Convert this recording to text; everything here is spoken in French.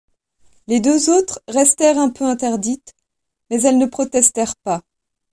Les deux autres restèrent un peu interdites ; mais elles ne protestèrent pas.